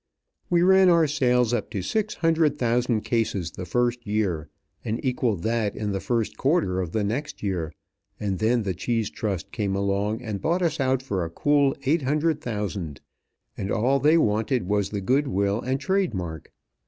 We ran our sales up to six hundred thousand cases the first year, and equalled that in the first quarter of the next year; and then the cheese trust came along, and bought us out for a cool eight hundred thousand, and all they wanted was the good will and trade mark.